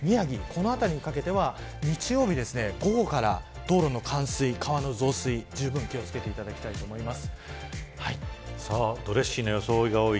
この辺りにかけては日曜日、午後から道路の冠水、川の増水じゅうぶん気を付けてもらいたいです。